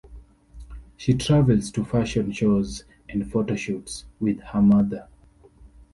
She travels to fashion shows and photo shoots with her mother.